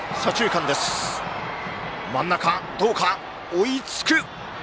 追いつく。